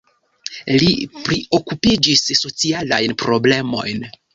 Li priokupiĝis socialajn problemojn.